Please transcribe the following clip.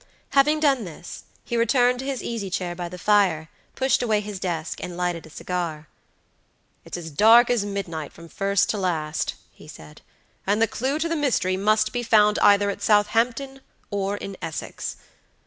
Having done this, he returned to his easy chair by the fire, pushed away his desk, and lighted a cigar. "It's as dark as midnight from first to last," he said; "and the clew to the mystery must be found either at Southampton or in Essex.